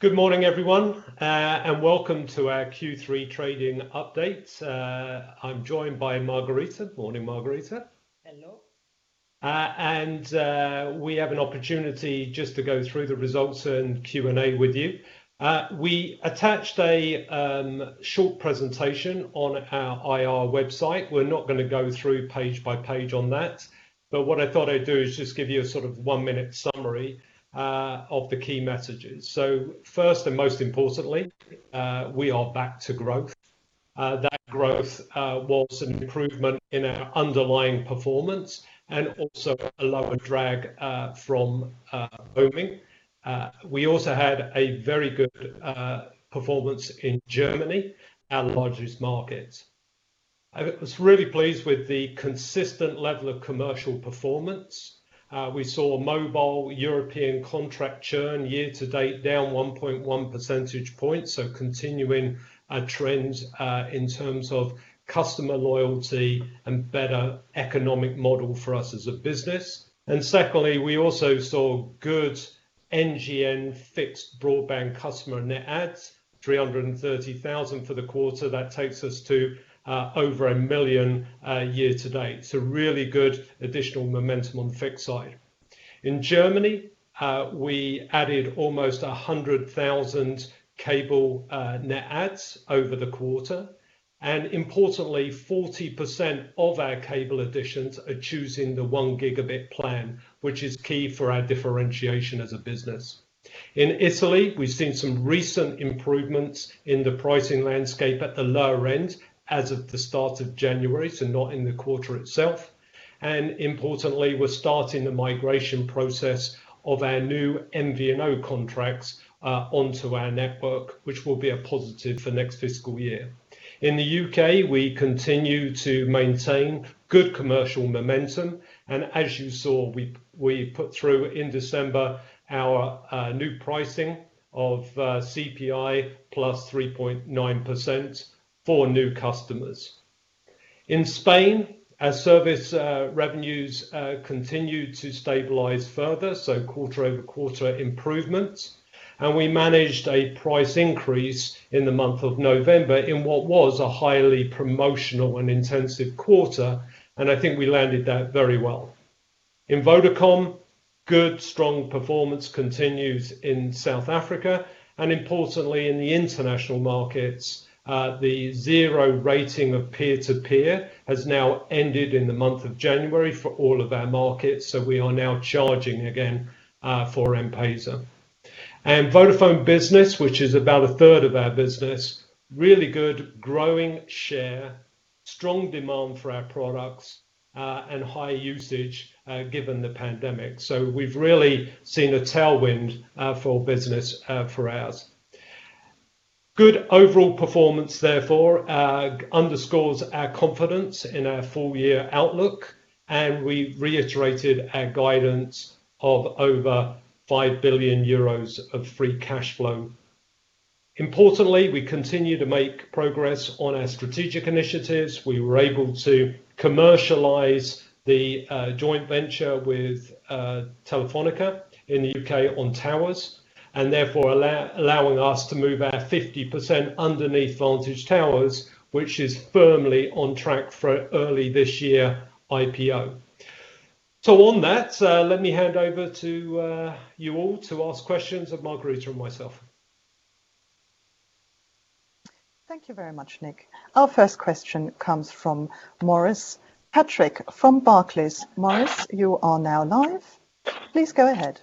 Good morning, everyone, and welcome to our Q3 trading update. I'm joined by Margherita. Morning, Margherita. Hello. We have an opportunity just to go through the results and Q&A with you. We attached a short presentation on our IR website. We're not going to go through page by page on that, but what I thought I'd do is just give you a one-minute summary of the key messages. First and most importantly, we are back to growth. That growth was an improvement in our underlying performance and also a lower drag from roaming. We also had a very good performance in Germany, our largest market. I was really pleased with the consistent level of commercial performance. We saw mobile European contract churn year to date down 1.1 percentage points, so continuing a trend in terms of customer loyalty and better economic model for us as a business. Secondly, we also saw good NGN fixed broadband customer net adds, 330,000 for the quarter that takes us to over 1 million year to date so really good additional momentum on fixed side. In Germany, we added almost 100,000 cable net adds over the quarter. Importantly, 40% of our cable additions are choosing the 1 Gb plan, which is key for our differentiation as a business. In Italy, we've seen some recent improvements in the pricing landscape at the lower end as of the start of January, so not in the quarter itself. Importantly, we're starting the migration process of our new MVNO contracts onto our network, which will be a positive for next fiscal year. In the U.K., we continue to maintain good commercial momentum. As you saw, we put through in December our new pricing of CPI plus 3.9% for new customers. In Spain, our service revenues continued to stabilize further, so quarter-over-quarter improvement. We managed a price increase in the month of November in what was a highly promotional and intensive quarter. I think we landed that very well. In Vodacom, good, strong performance continues in South Africa, and importantly in the international markets, the zero rating of peer-to-peer has now ended in the month of January for all of our markets. We are now charging again for M-Pesa. Vodafone Business, which is about a third of our business, really good growing share, strong demand for our products, and high usage given the pandemic so we've really seen a tailwind for business for us. Good overall performance therefore underscores our confidence in our full year outlook. And we reiterated our guidance of over 5 billion euros of free cash flow. Importantly, we continue to make progress on our strategic initiatives we were able to commercialize the joint venture with Telefónica in the U.K. on towers, and therefore allowing us to move our 50% underneath Vantage Towers, which is firmly on track for early this year IPO. On that, let me hand over to you all to ask questions of Margherita and myself. Thank you very much, Nick. Our first question comes from Maurice Patrick from Barclays. Maurice, you are now live. Please go ahead.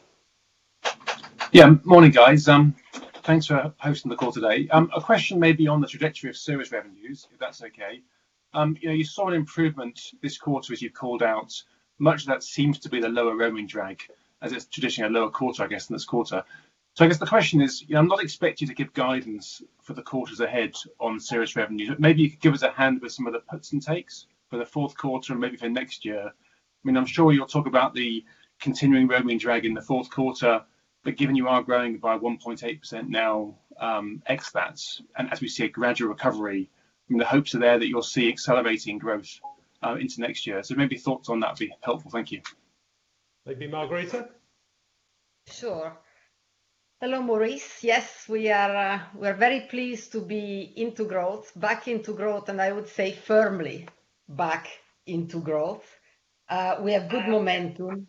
Yeah. Morning, guys. Thanks for hosting the call today a question maybe on the trajectory of service revenues, if that's okay. You saw an improvement this quarter, as you called out. Much of that seems to be the lower roaming drag, as it's traditionally a lower quarter, I guess, than this quarter. I guess the question is, I'm not expecting you to give guidance for the quarters ahead on service revenues, but maybe you could give us a hand with some of the puts and takes for the Q4 and maybe for next year. I'm sure you'll talk about the continuing roaming drag in the Q4, but given you are growing by 1.8% now, EPS, and as we see a gradual recovery, the hopes are there that you'll see accelerating growth into next year so maybe thoughts on that would be helpful. Thank you. Maybe Margherita? Sure. Hello, Maurice. Yes, we're very pleased to be into growth, back into growth, and I would say firmly back into growth. We have good momentum.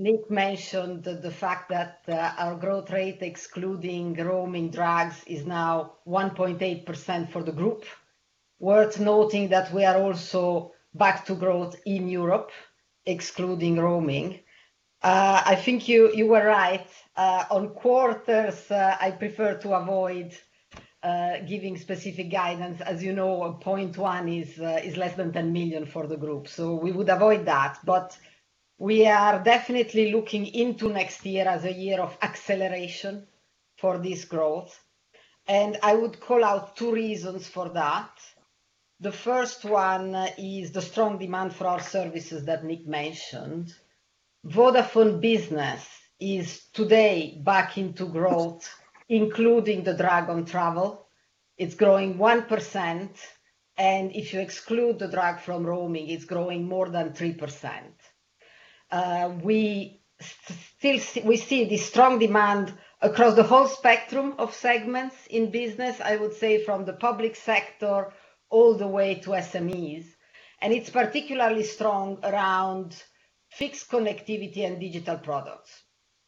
Nick mentioned the fact that our growth rate, excluding roaming drags, is now 1.8% for the group. Worth noting that we are also back to growth in Europe, excluding roaming. I think you were right. On quarters, I prefer to avoid giving specific guidance as you know, a 0.1 is less than 10 million for the group so we would avoid that. We are definitely looking into next year as a year of acceleration for this growth, and I would call out two reasons for that. The first one is the strong demand for our services that Nick mentioned. Vodafone Business is today back into growth, including the drag on travel. It's growing 1%, and if you exclude the drag from roaming, it's growing more than 3%. We see the strong demand across the whole spectrum of segments in business, I would say from the public sector all the way to SMEs. It's particularly strong around fixed connectivity and digital products.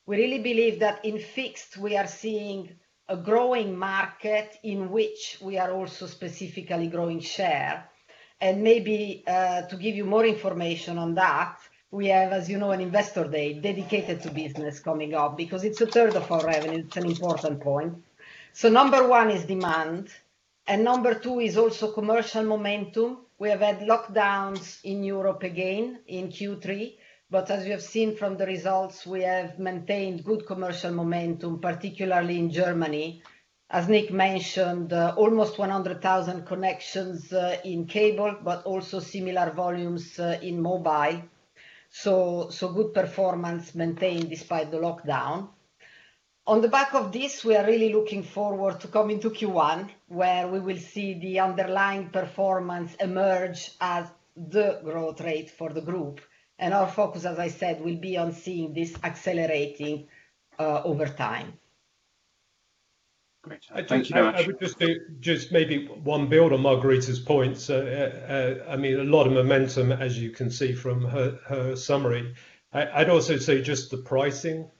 We really believe that in fixed, we are seeing a growing market in which we are also specifically growing share. Maybe to give you more information on that, we have, as you know, an Investor Day dedicated to business coming up because it's a third of our revenue it's an important point. Number one is demand, and number two is also commercial momentum. We have had lockdowns in Europe again in Q3, as we have seen from the results, we have maintained good commercial momentum, particularly in Germany. As Nick mentioned, almost 100,000 connections in cable, but also similar volumes in mobile. Good performance maintained despite the lockdown. On the back of this, we are really looking forward to coming to Q1, where we will see the underlying performance emerge as the growth rate for the group. Our focus, as I said, will be on seeing this accelerating over time. Great. Thank you very much. I would just maybe one build on Margherita's points. I mean, a lot of momentum, as you can see from her summary. I'd also say just the pricing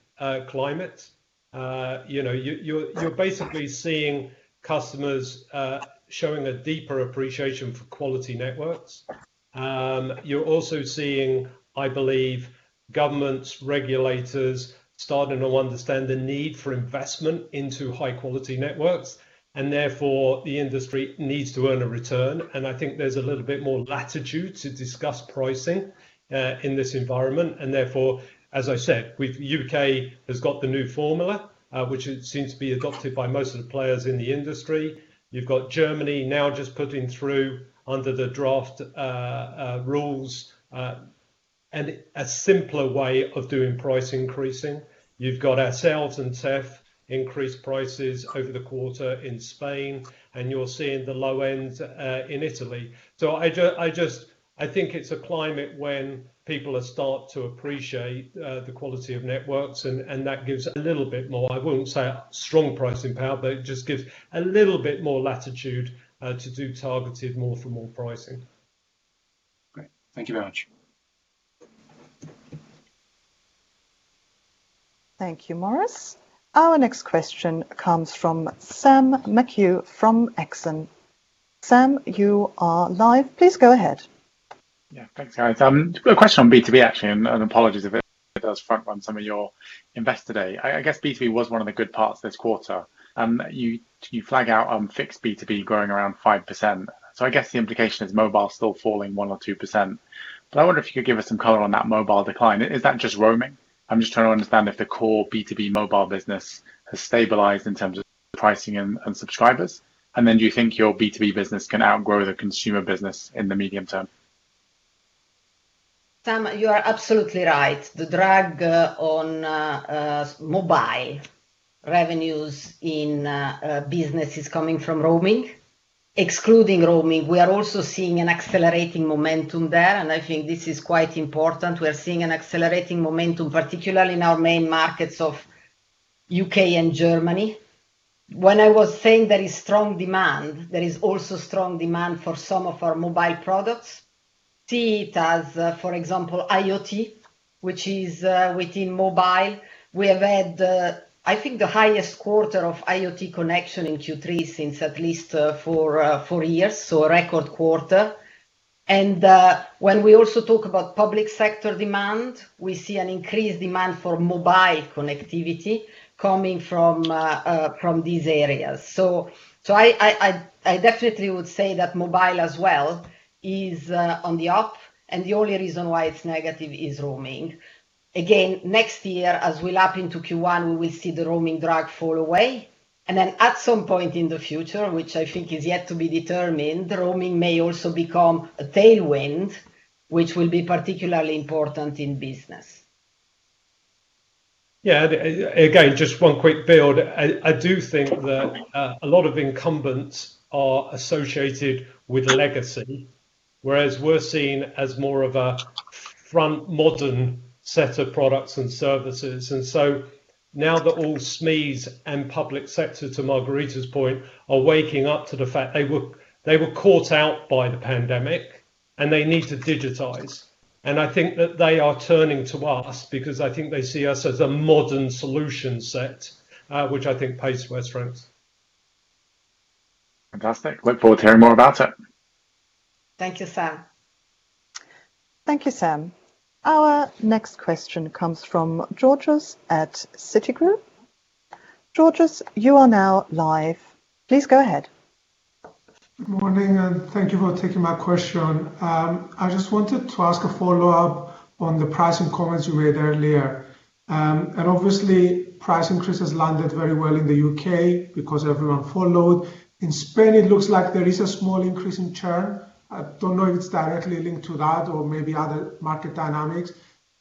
climate. You're basically seeing customers showing a deeper appreciation for quality networks. You're also seeing, I believe, governments, regulators starting to understand the need for investment into high-quality networks, and therefore, the industry needs to earn a return. I think there's a little bit more latitude to discuss pricing- -in this environment and therefore, as I said, U.K. has got the new formula, which seems to be adopted by most of the players in the industry. You've got Germany now just putting through under the draft rules, and a simpler way of doing price increasing. You've got ourselves and Telefónica increased prices over the quarter in Spain, and you're seeing the low end in Italy. I think it's a climate when people are start to appreciate the quality of networks, and that gives a little bit more, I wouldn't say a strong pricing power, but it just gives a little bit more latitude to do targeted more for more pricing. Great. Thank you very much. Thank you, Maurice. Our next question comes from Sam McHugh from Exane. Sam, you are live. Please go ahead. Yeah thanks, guys a question on B2B, actually apologies if it does front run some of your Investor Day i guess B2B was one of the good parts this quarter. You flag out fixed B2B growing around 5%. I guess the implication is mobile still falling 1% or 2%. I wonder if you could give us some color on that mobile decline is that just roaming? I'm just trying to understand if the core B2B mobile business has stabilized in terms of pricing and subscribers? Do you think your B2B business can outgrow the consumer business in the medium term? Sam, you are absolutely right. The drag on mobile revenues in business is coming from roaming. Excluding roaming, we are also seeing an accelerating momentum there, and I think this is quite important we are seeing an accelerating momentum, particularly in our main markets of U.K. and Germany. When I was saying there is strong demand, there is also strong demand for some of our mobile products. See it as, for example, IoT, which is within mobile. We have had, I think, the highest quarter of IoT connection in Q3 since at least four years, so a record quarter. And, when we also talk about public sector demand, we see an increased demand for mobile connectivity coming from these areas. I definitely would say that mobile as well is on the up, and the only reason why it's negative is roaming. Next year, as we lap into Q1, we will see the roaming drag fall away. At some point in the future, which I think is yet to be determined, the roaming may also become a tailwind, which will be particularly important in business. Yeah. Again, just one quick build. I do think that a lot of incumbents are associated with legacy, whereas we're seen as more of a front modern set of products and services and so, now that all SMEs and public sector, to Margherita's point, are waking up to the fact they were caught out by the pandemic and they need to digitize. I think that they are turning to us because I think they see us as a modern solution set, which I think plays to our strengths. Fantastic. Look forward to hearing more about it. Thank you, Sam. Thank you, Sam. Our next question comes from Georgios at Citigroup. Georgios, you are now live. Please go ahead. Good morning, and thank you for taking my question. I just wanted to ask a follow-up on the pricing comments you made earlier. Obviously, price increase has landed very well in the U.K. because everyone followed. In Spain, it looks like there is a small increase in churn. I don't know if it's directly linked to that or maybe other market dynamics.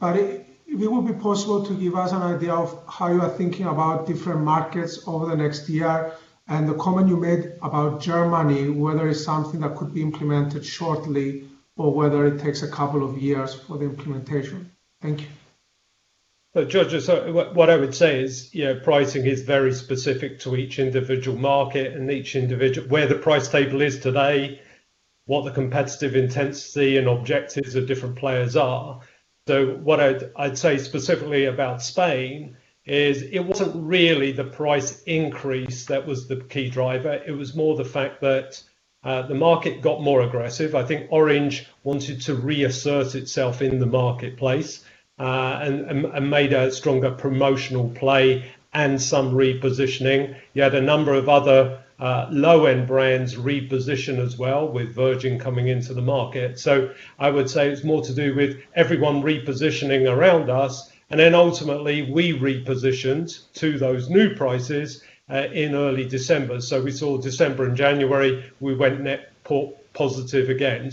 If it would be possible to give us an idea of how you are thinking about different markets over the next year? and the comment you made about Germany, whether it's something that could be implemented shortly or whether it takes a couple of years for the implementation. Thank you. Georgios, what I would say is pricing is very specific to each individual market and where the price table is today, what the competitive intensity and objectives of different players are. What I'd say specifically about Spain is it wasn't really the price increase that was the key driver, it was more the fact that the market got more aggressive i think Orange wanted to reassert itself in the marketplace, and made a stronger promotional play and some repositioning. You had a number of other low-end brands reposition as well with Virgin coming into the market. I would say it's more to do with everyone repositioning around us, and then ultimately we repositioned to those new prices, in early December so we saw December and January, we went net positive again.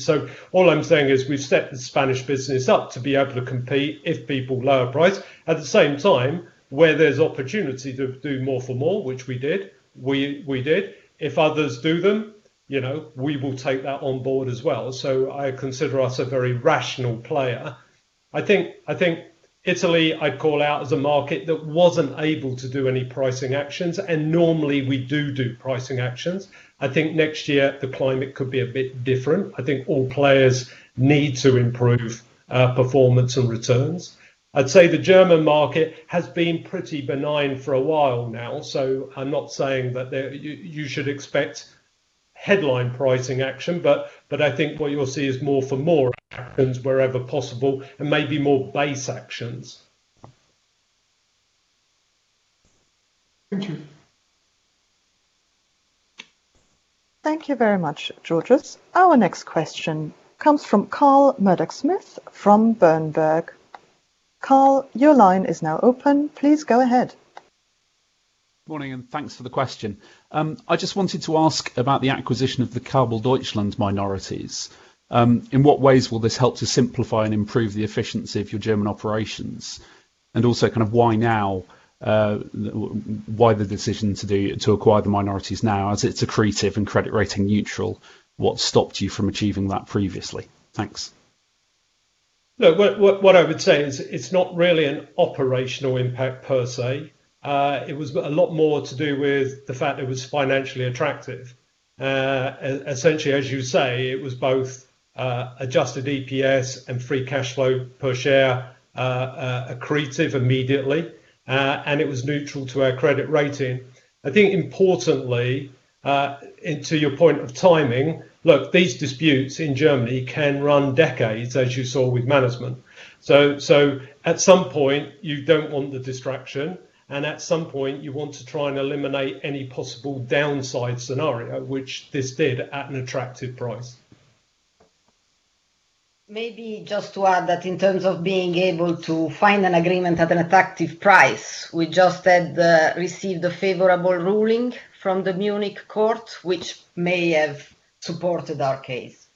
All I'm saying is we've stepped the Spanish business up to be able to compete if people lower price. At the same time, where there's opportunity to do more for more, which we did. We did. If others do them, we will take that on board as well so i consider us a very rational player. I think Italy, I'd call out as a market that wasn't able to do any pricing actions, and normally we do pricing actions. I think next year the climate could be a bit different. I think all players need to improve performance and returns. I'd say the German market has been pretty benign for a while now, so I'm not saying that you should expect headline pricing action, but I think what you will see is more for more actions wherever possible and maybe more base actions. Thank you. Thank you very much, Georgios. Our next question comes from Carl Murdock-Smith from Berenberg. Carl, your line is now open. Please go ahead. Morning, and thanks for the question. I just wanted to ask about the acquisition of the Kabel Deutschland minorities. In what ways will this help to simplify and improve the efficiency of your German operations? Also kind of why now? why the decision to acquire the minorities now as it's accretive and credit rating neutral? what stopped you from achieving that previously? Thanks. Look, what I would say is it's not really an operational impact per se. It was a lot more to do with the fact it was financially attractive. Essentially, as you say, it was both adjusted EPS and free cash flow per share accretive immediately. It was neutral to our credit rating. I think importantly, and to your point of timing, look, these disputes in Germany can run decades, as you saw with management. At some point you don't want the distraction and at some point you want to try and eliminate any possible downside scenario, which this did at an attractive price. Maybe just to add that in terms of being able to find an agreement at an attractive price, we just had received a favorable ruling from the Munich court, which may have supported our case.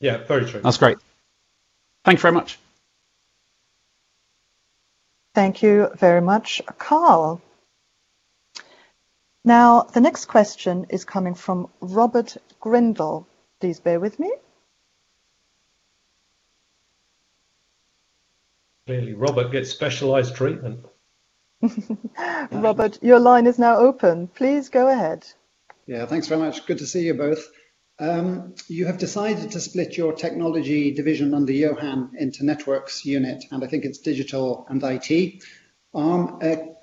Yeah. Very true. That's great. Thank you very much. Thank you very much, Carl. Now, the next question is coming from Robert Grindle. Please bear with me. Clearly, Robert gets specialized treatment. Robert, your line is now open. Please go ahead. Thanks very much good to see you both. You have decided to split your technology division under Johan into networks unit, and I think it is digital and IT.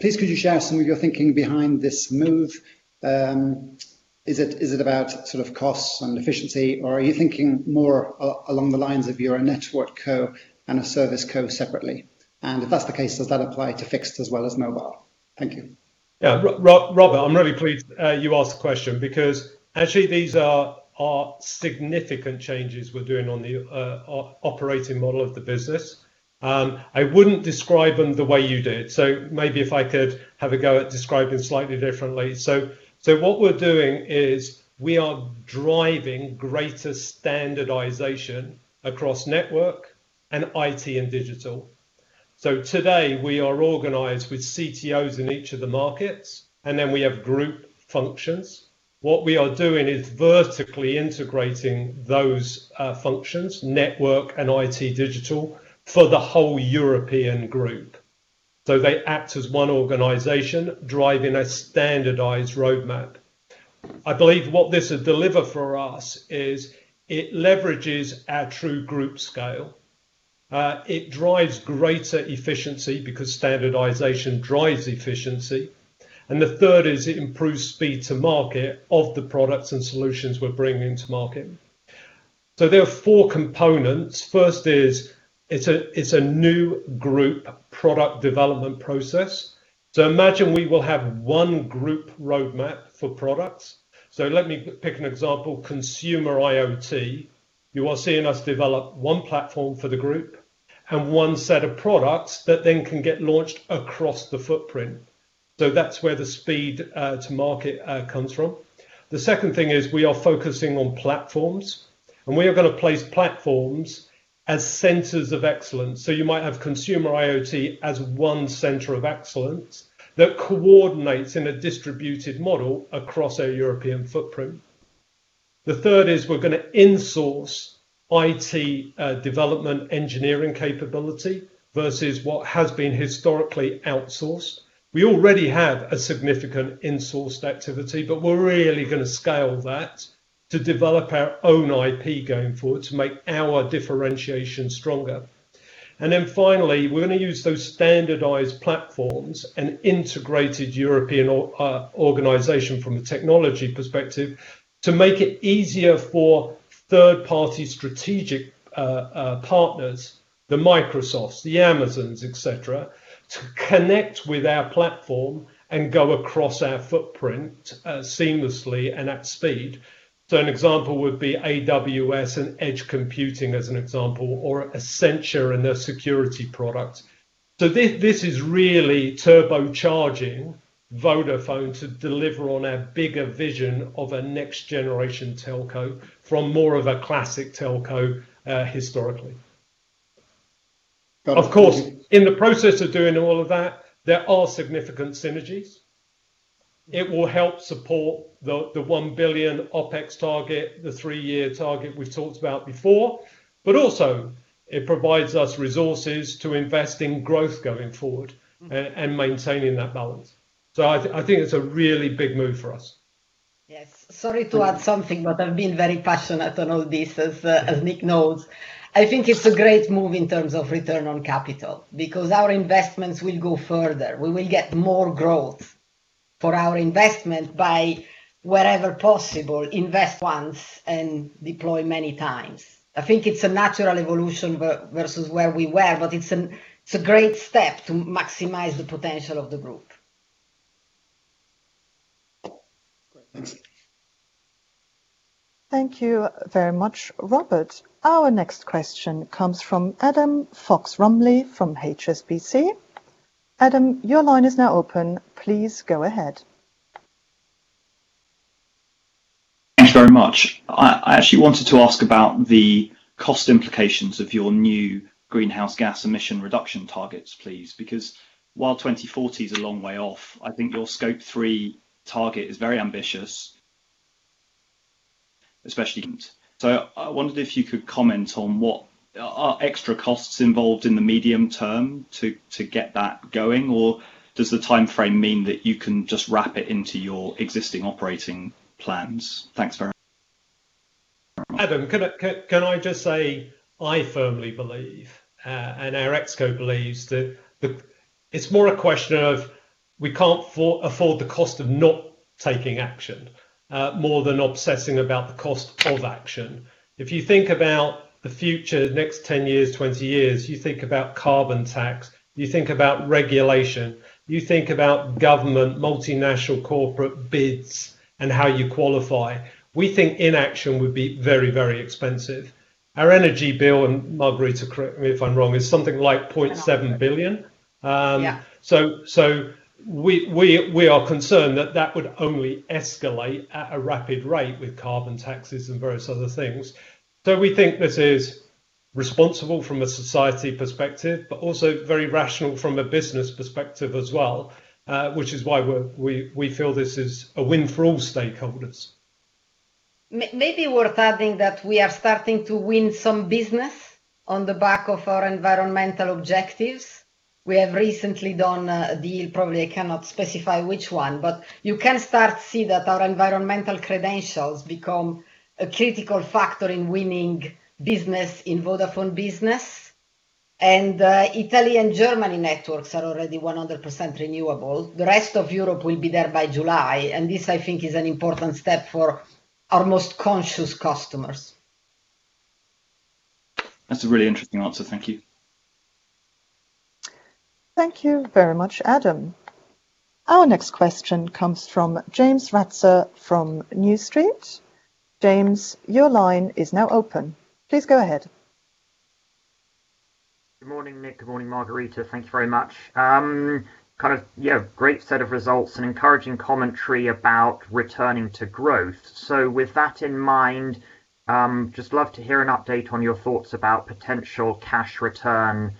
Please could you share some of your thinking behind this move? Is it about sort of costs and efficiency? or are you thinking more along the lines of you are a NetCo and a ServCo separately? If that is the case, does that apply to fixed as well as mobile? Thank you. Yeah. Robert, I'm really pleased you asked the question because actually these are significant changes we're doing on the operating model of the business. I wouldn't describe them the way you did so maybe if I could have a go at describing slightly differently. What we're doing is we are driving greater standardization across network and IT and digital. Today we are organized with CTOs in each of the markets, and then we have group functions. What we are doing is vertically integrating those functions, network and IT digital, for the whole European group. They act as one organization driving a standardized roadmap. I believe what this will deliver for us is it leverages our true group scale. It drives greater efficiency because standardization drives efficiency. The third is it improves speed to market of the products and solutions we're bringing to market. There are four components first is, it's a new group product development process. Imagine we will have one group roadmap for products. Let me pick an example, consumer IoT. You are seeing us develop one platform for the group and one set of products that then can get launched across the footprint. That's where the speed to market comes from. The second thing is we are focusing on platforms, and we are going to place platforms as centers of excellence so you might have consumer IoT as one center of excellence that coordinates in a distributed model across our European footprint. The third is we're going to insource IT development engineering capability versus what has been historically outsourced. We already have a significant insourced activity, but we're really going to scale that to develop our own IP going forward to make our differentiation stronger. Finally, we're going to use those standardized platforms and Integrated European Organization from a technology perspective to make it easier for third-party strategic partners, the Microsofts, the Amazons, et cetera, to connect with our platform and go across our footprint seamlessly and at speed. An example would be AWS and Edge Computing as an example, or Accenture and their security product. This is really turbocharging Vodafone to deliver on our bigger vision of a next generation telco from more of a classic telco, historically. Of course, in the process of doing all of that, there are significant synergies. It will help support the 1 billion OpEx target, the three year target we've talked about before, also, it provides us resources to invest in growth going forward and maintaining that balance. I think it's a really big move for us. Yes. Sorry to add something, but I've been very passionate on all this, as Nick knows. I think it's a great move in terms of return on capital because our investments will go further we will get more growth for our investment by wherever possible, invest once and deploy many times. I think it's a natural evolution versus where we were, but it's a great step to maximize the potential of the group. Great. Thanks. Thank you very much, Robert. Our next question comes from Adam Fox-Rumley from HSBC. Adam, your line is now open. Please go ahead. Thank you very much. I actually wanted to ask about the cost implications of your new greenhouse gas emission reduction targets, please because, while 2040 is a long way off, I think your Scope 3 target is very ambitious, especially i wondered if you could comment on what are extra costs involved in the medium term to get that going? Does the timeframe mean that you can just wrap it into your existing operating plans? Thanks very much. Adam, can I just say I firmly believe, and our ExCo believes that it's more a question of we can't afford the cost of not taking action, more than obsessing about the cost of action. If you think about the future, the next 10 years, 20 years, you think about carbon tax, you think about regulation, you think about government, multinational corporate bids and how you qualify. We think inaction would be very, very expensive. Our energy bill, and Margherita correct me if I'm wrong, is something like 0.7 billion. Yeah. We are concerned that that would only escalate at a rapid rate with carbon taxes and various other things. We think this is responsible from a society perspective, but also very rational from a business perspective as well. Which is why we feel this is a win for all stakeholders. Maybe worth adding that we are starting to win some business on the back of our environmental objectives. We have recently done a deal, probably I cannot specify which one, but you can start to see that our environmental credentials become a critical factor in winning business in Vodafone Business. Italy and Germany networks are already 100% renewable the rest of Europe will be there by July, and this I think is an important step for our most conscious customers. That's a really interesting answer. Thank you. Thank you very much, Adam. Our next question comes from James Ratzer from New Street. James, your line is now open. Please go ahead. Good morning, Nick. Good morning, Margherita thank you very much. Great set of results and encouraging commentary about returning to growth. With that in mind, just love to hear an update on your thoughts about potential cash return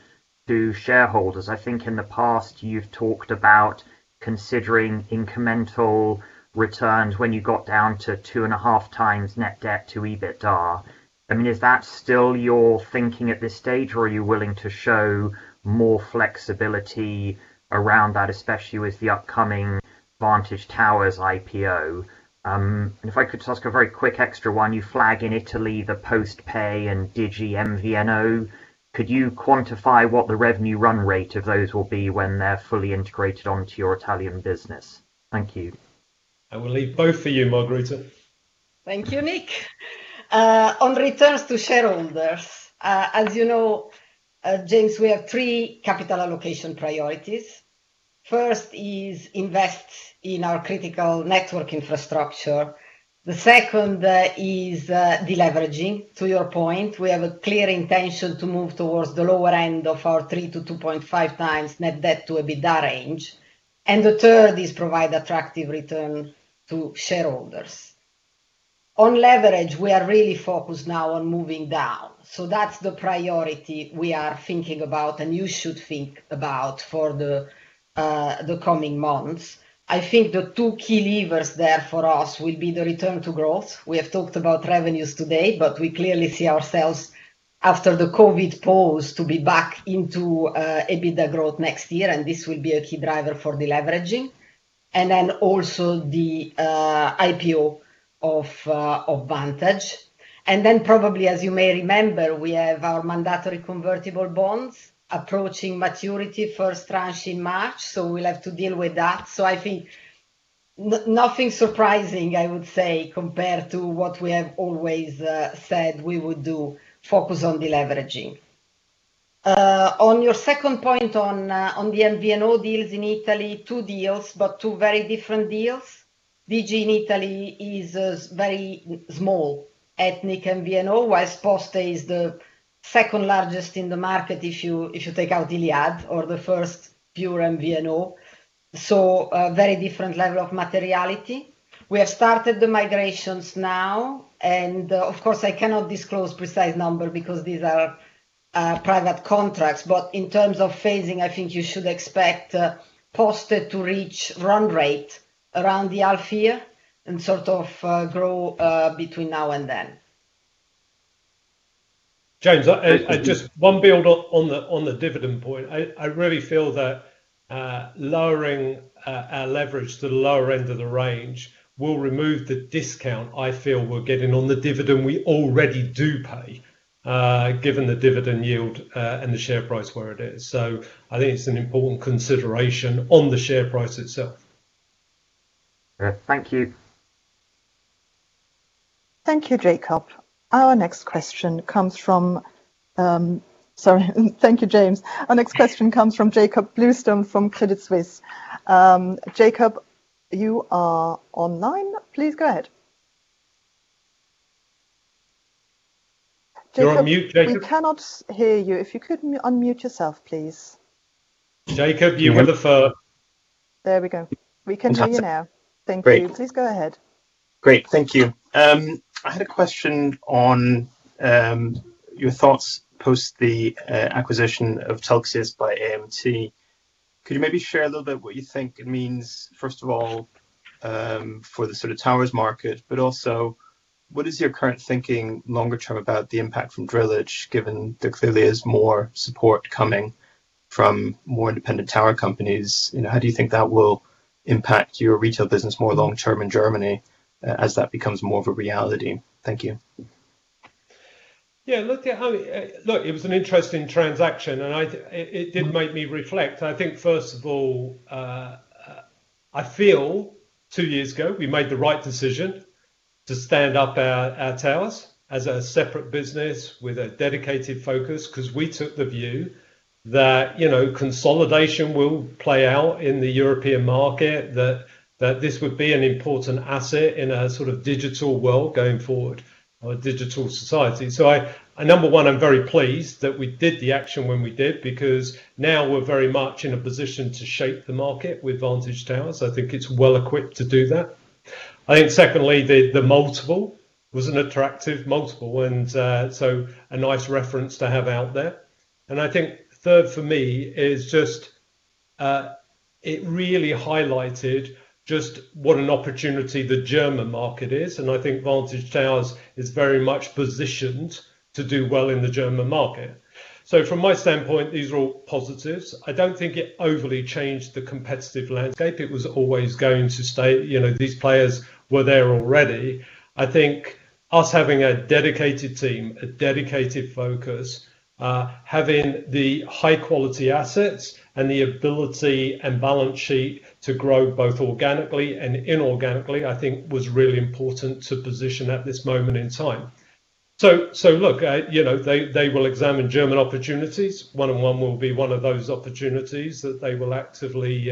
to shareholders i think in the past you've talked about considering incremental returns when you got down to 2.5x net debt to EBITDA. Is that still your thinking at this stage? or are you willing to show more flexibility around that, especially with the upcoming Vantage Towers IPO? If I could just ask a very quick extra one you flag in Italy the PosteMobile and Digi MVNO. Could you quantify what the revenue run rate of those will be when they're fully integrated onto your Italian business? Thank you. I will leave both for you, Margherita. Thank you, Nick. On returns to shareholders, as you know, James, we have three capital allocation priorities. First is invest in our critical network infrastructure. The second is de-leveraging to your point, we have a clear intention to move towards the lower end of our 3x to 2.5x net debt to EBITDA range. The third is provide attractive return to shareholders. On leverage, we are really focused now on moving down. That's the priority we are thinking about and you should think about for the coming months. I think the two key levers there for us will be the return to growth. We have talked about revenues today, but we clearly see ourselves after the COVID pause to be back into EBITDA growth next year, and this will be a key driver for de-leveraging. Then also the IPO of Vantage. Then probably, as you may remember, we have our mandatory convertible bonds approaching maturity, first tranche in March so we'll have to deal with that. I think nothing surprising, I would say, compared to what we have always said we would do, focus on de-leveraging. On your second point on the MVNO deals in Italy, two deals, but two very different deals. VG in Italy is very small ethnic MVNO, whilst PosteMobile is the second largest in the market if you take out Iliad, or the first pure MVNO. We have started the migrations now and, of course, I cannot disclose precise number because these are private contracts but in terms of phasing, I think you should expect PosteMobile to reach run rate around the half year and sort of grow between now and then. James, just one build on the dividend point. I really feel that lowering our leverage to the lower end of the range will remove the discount I feel we're getting on the dividend we already do pay, given the dividend yield and the share price where it is. I think it's an important consideration on the share price itself. Thank you. Thank you, Jakob. Our next question comes from, sorry thank you, James our next question comes from Jakob Bluestone from Credit Suisse. Jakob, you are online. Please go ahead. You're on mute, Jakob. Jakob, we cannot hear you. If you could unmute yourself, please. Jakob, you have the floor. There we go. We can hear you now. Fantastic. Thank you. Great. Please go ahead. Great thank you. I had a question on your thoughts post the acquisition of Telxius by AMT. Could you maybe share a little bit what you think it means, first of all, for the sort of towers market? but also what is your current thinking longer term about the impact from Drillisch, given there clearly is more support coming from more independent tower companies. How do you think that will impact your retail business more long term in Germany as that becomes more of a reality? Thank you. Yeah, look, it was an interesting transaction, and it did make me reflect i think, first of all, I feel two years ago, we made the right decision to stand up our towers as a separate business with a dedicated focus cause we took the view that consolidation will play out in the European market, that this would be an important asset in a sort of digital world going forward or a digital society. Number one, I'm very pleased that we did the action when we did because now we're very much in a position to shape the market with Vantage Towers i think it's well-equipped to do that. I think secondly, the multiple was an attractive multiple, and so a nice reference to have out there. I think third for me is just it really highlighted just what an opportunity the German market is, and I think Vantage Towers is very much positioned to do well in the German market. From my standpoint, these are all positives. I don't think it overly changed the competitive landscape it was always going to stay these players were there already. I think us having a dedicated team, a dedicated focus, having the high-quality assets and the ability and balance sheet to grow both organically and inorganically, I think was really important to position at this moment in time. Look, they will examine German opportunities. 1&1 will be one of those opportunities that they will actively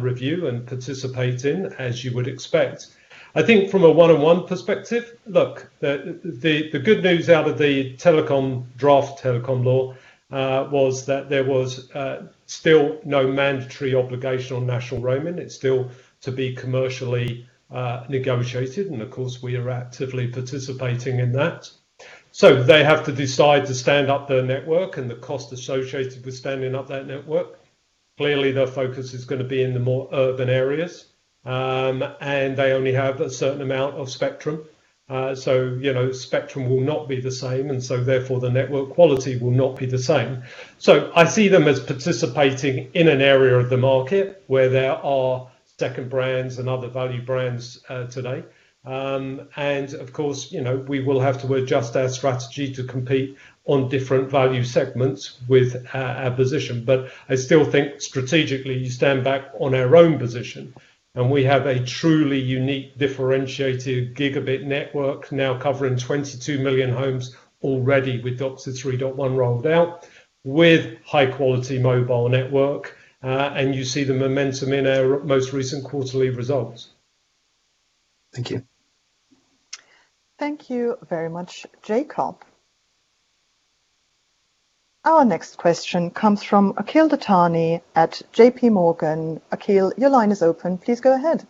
review and participate in, as you would expect. I think from a 1&1 perspective, look, the good news out of the draft telecom law, was that there was still no mandatory obligation on national roaming it's still to be commercially negotiated and of course, we are actively participating in that. They have to decide to stand up their network and the cost associated with standing up that network. Clearly, their focus is going to be in the more urban areas. They only have a certain amount of spectrum. Spectrum will not be the same so therefore the network quality will not be the same. I see them as participating in an area of the market where there are second brands and other value brands today. Of course, we will have to adjust our strategy to compete on different value segments with our position but, i still think strategically, you stand back on our own position, and we have a truly unique, differentiated gigabit network now covering 22 million homes already with DOCSIS 3.1 rolled out, with high-quality mobile network. You see the momentum in our most recent quarterly results. Thank you. Thank you very much, Jakob. Our next question comes from Akhil Dattani at J.P. Morgan Akhil, your line is open. Please go ahead.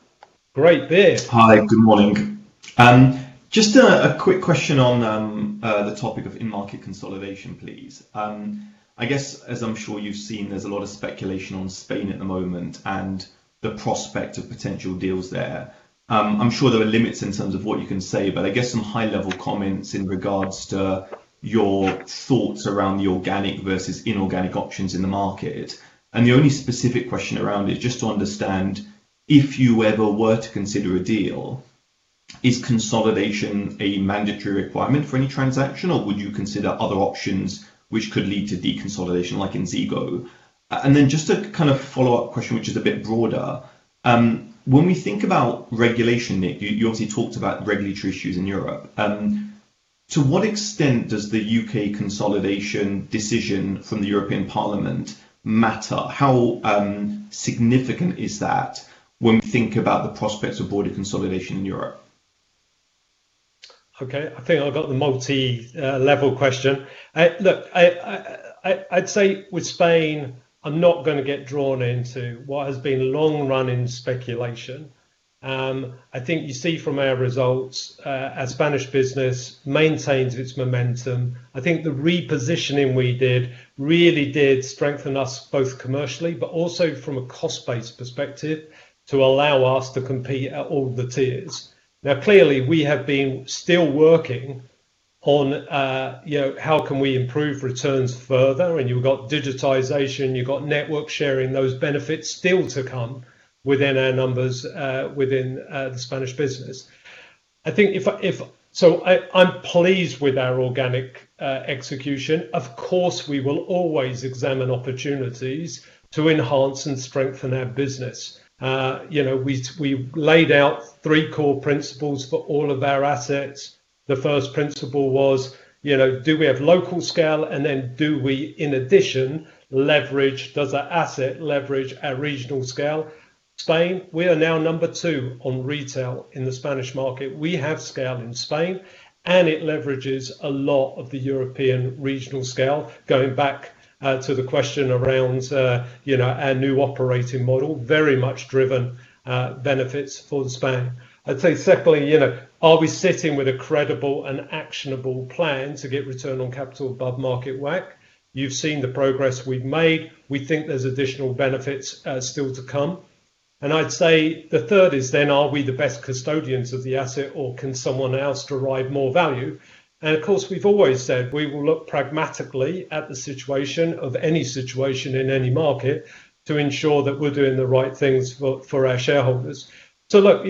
Great, thanks. Hi, good morning. A quick question on the topic of in-market consolidation, please. As I'm sure you've seen, there's a lot of speculation on Spain at the moment and the prospect of potential deals there. I'm sure there are limits in terms of what you can say, but some high-level comments in regards to your thoughts around the organic versus inorganic options in the market. The only specific question around it, just to understand, if you ever were to consider a deal, is consolidation a mandatory requirement for any transaction, or would you consider other options which could lead to deconsolidation, like in Ziggo? A follow-up question, which is a bit broader. When we think about regulation, Nick, you obviously talked about regulatory issues in Europe. To what extent does the U.K. consolidation decision from the European Parliament matter? How significant is that when we think about the prospects of broader consolidation in Europe? Okay. I think I've got the multi-level question. Look, I'd say with Spain, I'm not going to get drawn into what has been long-running speculation. I think you see from our results, our Spanish business maintains its momentum. I think the repositioning we did really did strengthen us both commercially but also from a cost-based perspective to allow us to compete at all the tiers. Clearly, we have been still working on how can we improve returns further, and you've got digitization, you've got network sharing, those benefits still to come within our numbers within the Spanish business. I'm pleased with our organic execution. Of course, we will always examine opportunities to enhance and strengthen our business. We laid out three core principles for all of our assets. The first principle was, do we have local scale, and then do we, in addition, leverage, does that asset leverage our regional scale? Spain, we are now number two on retail in the Spanish market we have scale in Spain, and it leverages a lot of the European regional scale. Going back to the question around our new operating model, very much driven benefits for Spain. I'd say secondly, are we sitting with a credible and actionable plan to get return on capital above market WACC? You've seen the progress we've made. We think there's additional benefits still to come. I'd say the third is then, are we the best custodians of the asset, or can someone else derive more value? And of course, we've always said we will look pragmatically at the situation of any situation in any market to ensure that we're doing the right things for our shareholders. Look,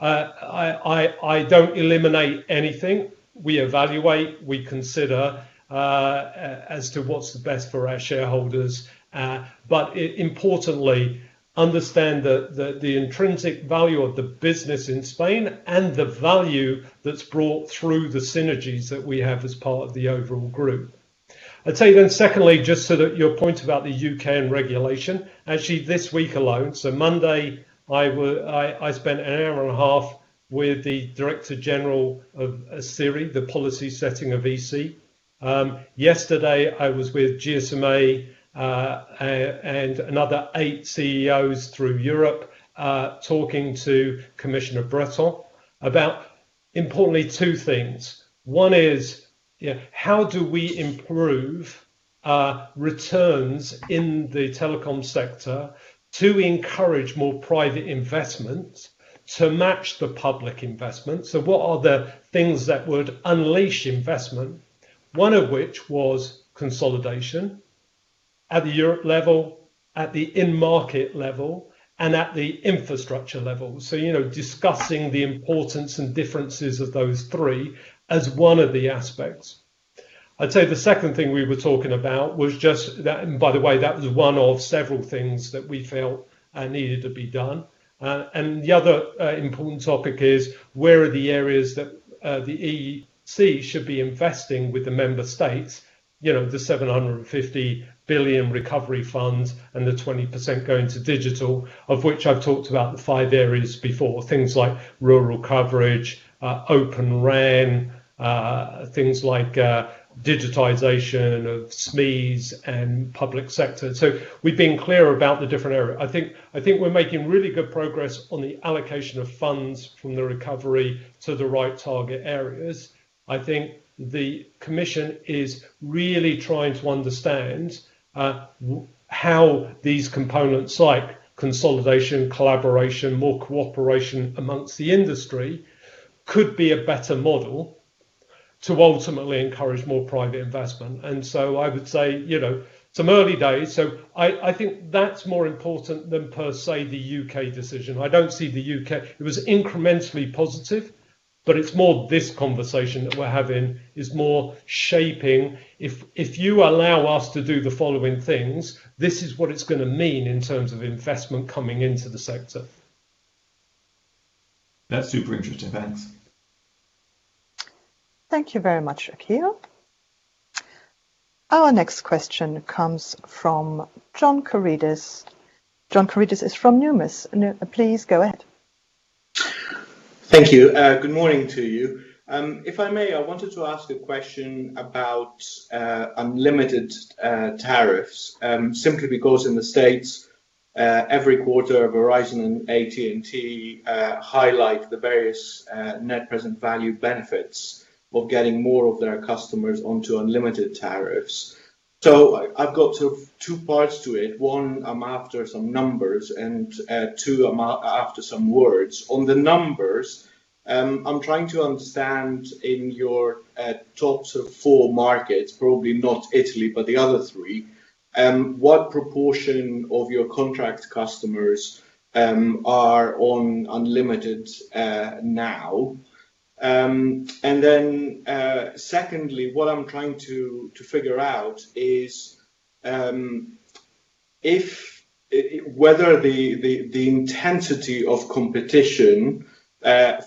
I don't eliminate anything. We evaluate, we consider as to what's the best for our shareholders. Importantly, understand that the intrinsic value of the business in Spain and the value that's brought through the synergies that we have as part of the overall group. I'd say secondly, just so that your point about the U.K. and regulation. Actually, this week alone, Monday, I spent an hour and a half with the director general of CERRE, the policy setting of EC. Yesterday, I was with GSMA, and another eight CEOs through Europe, talking to Commissioner Breton about importantly two things. One is, how do we improve returns in the telecom sector to encourage more private investment to match the public investment so what are the things that would unleash investment, one of which was consolidation at the Europe level, at the in-market level, and at the infrastructure level so you know discussing the importance and differences of those three as one of the aspects. I'd say the second thing we were talking about was by the way, that was one of several things that we felt needed to be done. The other important topic is where are the areas that the EEC should be investing with the member states, the 750 billion recovery funds and the 20% going to digital, of which I've talked about the five areas before things like rural coverage, Open RAN, things like digitization of SMEs and public sector we've been clear about the different areas. I think we're making really good progress on the allocation of funds from the recovery to the right target areas. I think the European Commission is really trying to understand how these components like consolidation, collaboration, more cooperation amongst the industry could be a better model to ultimately encourage more private investment and so i would say it's early days. I think that's more important than per se the U.K. decision i don't see the U.K. It was incrementally positive, but it's more this conversation that we're having is more shaping, if you allow us to do the following things, this is what it's going to mean in terms of investment coming into the sector. That's super interesting. Thanks. Thank you very much, Akhil. Our next question comes from John Karidis. John Karidis is from Numis. Please go ahead. Thank you. Good morning to you. If I may, I wanted to ask a question about unlimited tariffs. Simply because in the U.S., every quarter Verizon and AT&T highlight the various net present value benefits of getting more of their customers onto unlimited tariffs. I've got two parts to it one, I'm after some numbers, and two, I'm after some words, on the numbers, I'm trying to understand in your top four markets, probably not Italy, but the other three, what proportion of your contract customers are on unlimited now. Secondly, what I'm trying to figure out is whether the intensity of competition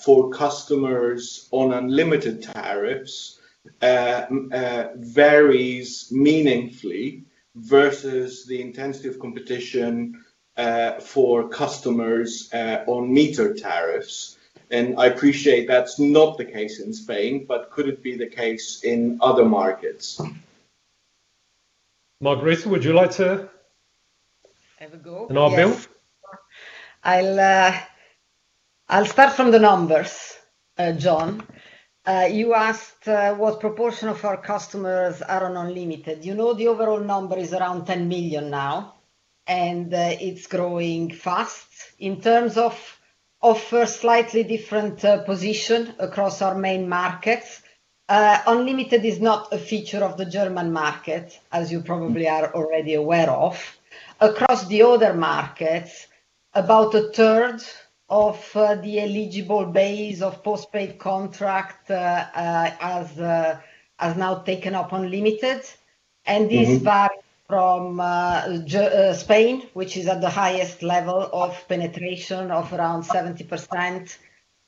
for customers on unlimited tariffs varies meaningfully versus the intensity of competition for customers on metered tariffs. I appreciate that's not the case in Spain, but could it be the case in other markets? Margherita, would you like to? Have a go? Yes. I'll build? I'll start from the numbers, John. You asked what proportion of our customers are on unlimited you know the overall number is around 10 million now, and it's growing fast. In terms of offer, slightly different position across our main markets. Unlimited is not a feature of the German market, as you probably are already aware of. Across the other markets, about a third of the eligible base of postpaid contract has now taken up unlimited. This varies from Spain, which is at the highest level of penetration of around 70%,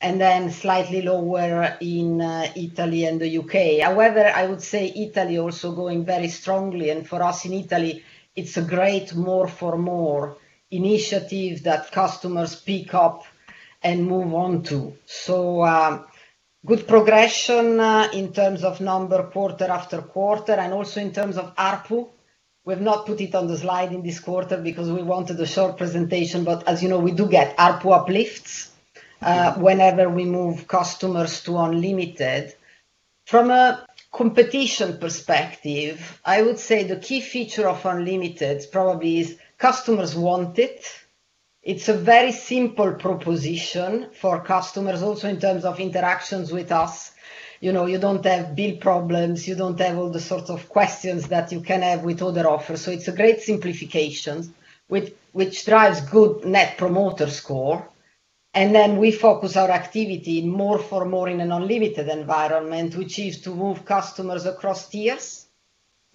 then slightly lower in Italy and the U.K. I would say Italy also growing very strongly, for us in Italy, it's a great more for more initiative that customers pick up and move on to. Good progression in terms of number quarter-after-quarter, also in terms of ARPU. We've not put it on the slide in this quarter because we wanted a short presentation, as you know, we do get ARPU uplifts. Whenever we move customers to unlimited. From a competition perspective, I would say the key feature of unlimited probably is customers want it. It's a very simple proposition for customers also in terms of interactions with us. You don't have bill problems. You don't have all the sorts of questions that you can have with other offers it's a great simplification, which drives good Net Promoter Score. And then we focus our activity more for more in an unlimited environment, which is to move customers across tiers-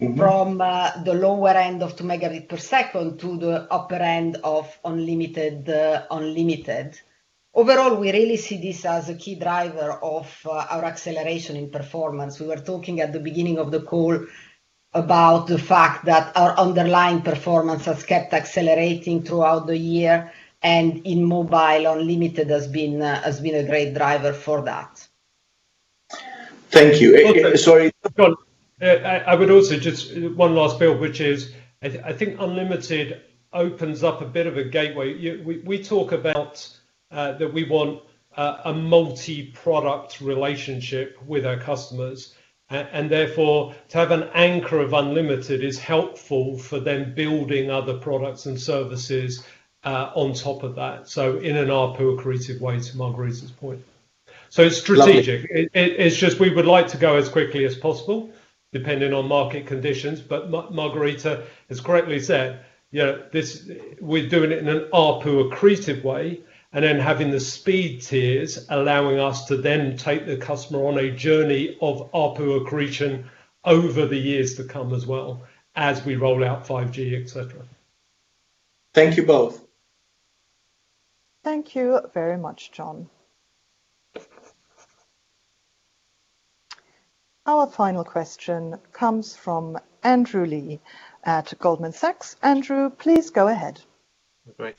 -from the lower end of 2 Mbps to the upper end of unlimited. Overall, we really see this as a key driver of our acceleration in performance we were talking at the beginning of the call about the fact that our underlying performance has kept accelerating throughout the year. In mobile, unlimited has been a great driver for that. Thank you. John, I would also just, one last bit, which is I think unlimited opens up a bit of a gateway. We talk about that we want a multi-product relationship with our customers and therefore to have an anchor of unlimited is helpful for then building other products and services on top of that. In an ARPU accretive way to Margherita's point. It's strategic. Lovely. It is just we would like to go as quickly as possible, depending on market conditions but Margherita has correctly said, we're doing it in an ARPU accretive way, and then having the speed tiers allowing us to then take the customer on a journey of ARPU accretion over the years to come as well as we roll out 5G, et cetera. Thank you both. Thank you very much, John. Our final question comes from Andrew Lee at Goldman Sachs. Andrew, please go ahead. Great.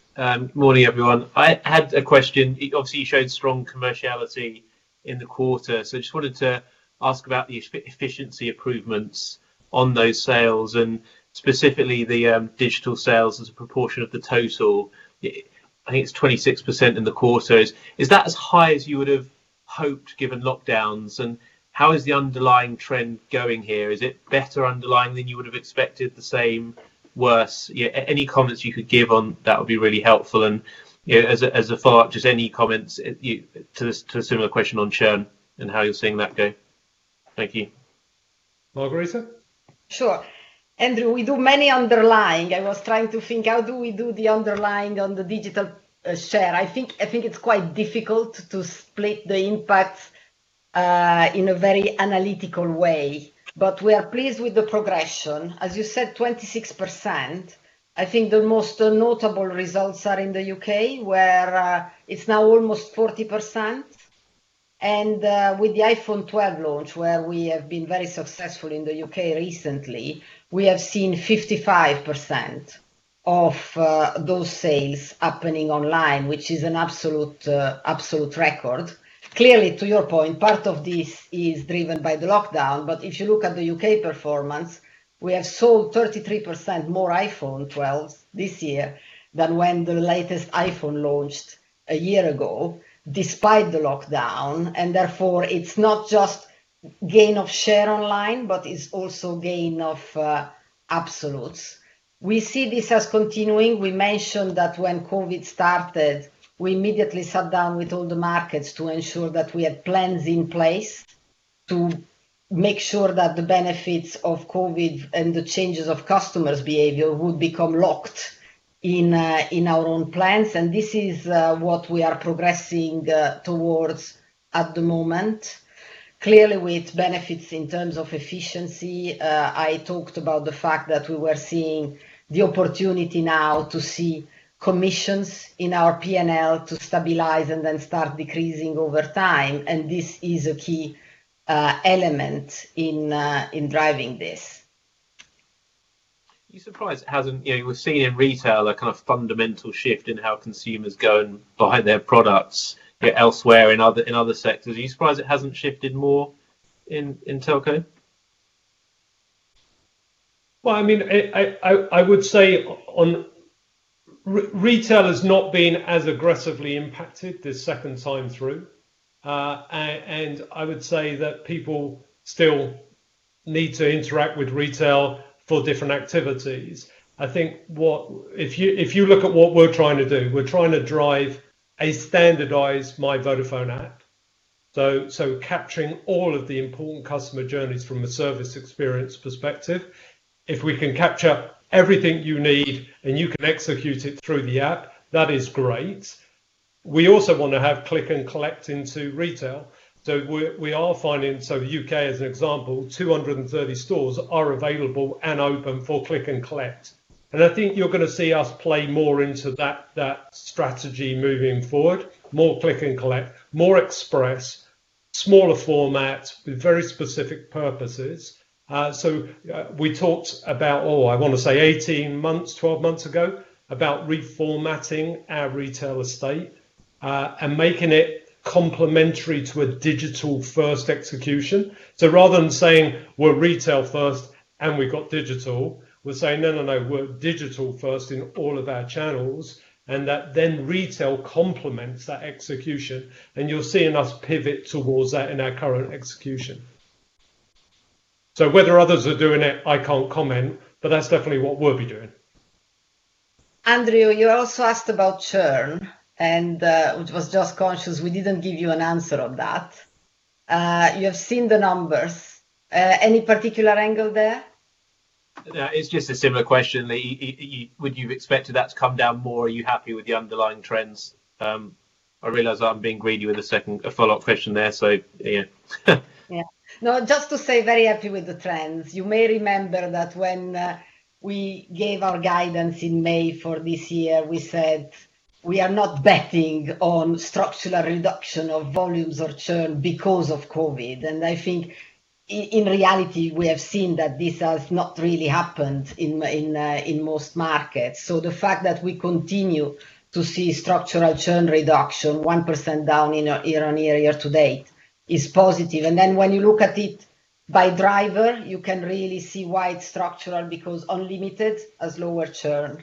Morning, everyone i had a question obviously, you showed strong commerciality in the quarter just wanted to ask about the efficiency improvements on those sales and specifically the digital sales as a proportion of the total. I think it's 26% in the quarters. Is that as high as you would've hoped given lockdowns? How is the underlying trend going here? Is it better underlying than you would've expected? The same? worse? any comments you could give on that would be really helpful. As a follow-up, just any comments to a similar question on churn and how you're seeing that go. Thank you. Margherita? Sure. Andrew, we do many underlying. I was trying to think how do we do the underlying on the digital share i think it's quite difficult to split the impact in a very analytical way. But we are pleased with the progression. As you said, 26%. I think the most notable results are in the U.K. where it's now almost 40%. With the iPhone 12 launch, where we have been very successful in the U.K. recently, we have seen 55% of those sales happening online, which is an absolute record. Clearly, to your point, part of this is driven by the lockdown but if you look at the U.K. performance, we have sold 33% more iPhone 12s this year than when the latest iPhone launched a year ago, despite the lockdown, and therefore it's not just gain of share online, but it's also gain of absolutes. We see this as continuing we mentioned that when COVID started, we immediately sat down with all the markets to ensure that we had plans in place to make sure that the benefits of COVID and the changes of customers' behavior would become locked in our own plans and this is what we are progressing towards at the moment. Clearly with benefits in terms of efficiency, I talked about the fact that we were seeing the opportunity now to see commissions in our P&L to stabilize and then start decreasing over time and this is a key element in driving this. You were seeing in retail a kind of fundamental shift in how consumers go and buy their products elsewhere in other sectors are you surprised it hasn't shifted more in telco? Well, I would say retail has not been as aggressively impacted this second time through. I would say that people still need to interact with retail for different activities. I think if you look at what we're trying to do, we're trying to drive a standardized My Vodafone app. Capturing all of the important customer journeys from a service experience perspective. If we can capture everything you need and you can execute it through the app, that is great. We also want to have click and collect into retail. We are finding, the U.K. as an example, 230 stores are available and open for click and collect. I think you're going to see us play more into that strategy moving forward. More click and collect, more express, smaller format with very specific purposes. We talked about, oh, I want to say 18 months, 12 months ago, about reformatting our retail estate, and making it complementary to a digital-first execution. Rather than saying we're retail first and we've got digital, we're saying, no, we're digital first in all of our channels, and that then retail complements that execution. You're seeing us pivot towards that in our current execution. Whether others are doing it, I can't comment, but that's definitely what we'll be doing. Andrew, you also asked about churn, and I was just conscious we didn't give you an answer of that. You have seen the numbers. Any particular angle there? No, it's just a similar question. Would you have expected that to come down more? Are you happy with the underlying trends? I realize I'm being greedy with a follow-up question there. Yeah. No, just to say very happy with the trends. You may remember that when we gave our guidance in May for this year, we said we are not betting on structural reduction of volumes or churn because of COVID and i think in reality, we have seen that this has not really happened in most markets so the fact that we continue to see structural churn reduction 1% down year-on-year to date is positive and when you look at it by driver, you can really see why it's structural, because unlimited has lower churn,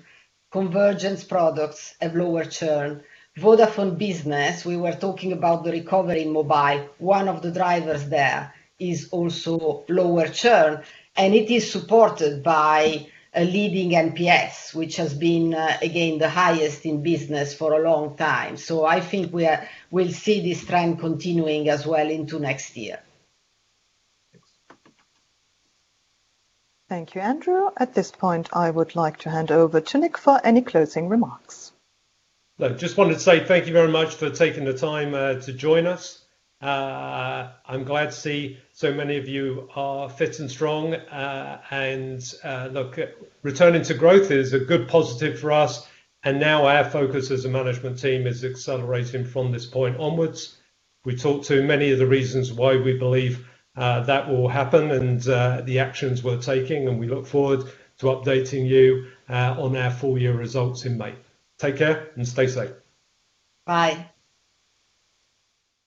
convergence products have lower churn. Vodafone Business, we were talking about the recovery in mobile. One of the drivers there is also lower churn, and it is supported by a leading NPS, which has been, again, the highest in business for a long time. I think we'll see this trend continuing as well into next year. Thanks. Thank you, Andrew. At this point, I would like to hand over to Nick for any closing remarks. Look, just wanted to say thank you very much for taking the time to join us. I'm glad to see so many of you are fit and strong. Look, returning to growth is a good positive for us, and now our focus as a management team is accelerating from this point onwards. We talked through many of the reasons why we believe that will happen and the actions we're taking, and we look forward to updating you on our full-year results in May. Take care and stay safe. Bye.